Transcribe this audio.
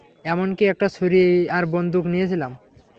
এমনকি একটা ছুরি আর বন্দুক নিয়েছিলাম।